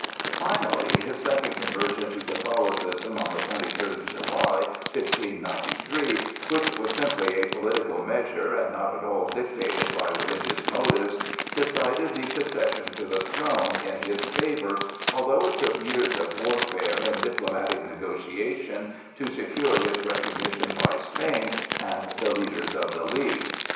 Finally his second conversion to Catholicism on the twenty third of July, 1593, which was simply a political measure and not at all dictated by religious motives, decided the succession to the throne in his favor, although it took years of warfare and diplomatic negotiation to secure his recognition by Spain and the leaders of the League.